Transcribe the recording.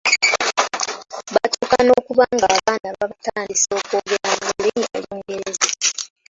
Batuuka n’okuba ng’abaana babatandisa okwogera mu Lulimi Olungereza.